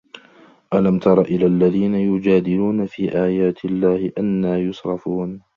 أَلَم تَرَ إِلَى الَّذينَ يُجادِلونَ في آياتِ اللَّهِ أَنّى يُصرَفونَ